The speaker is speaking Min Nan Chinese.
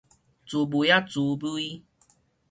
滋微仔滋微